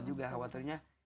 jangan asal juga